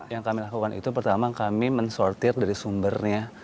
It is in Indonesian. yang kami lakukan itu pertama kami mensortir dari sumbernya